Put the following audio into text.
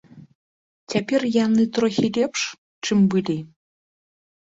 Цяпер яны трохі лепш, чым былі.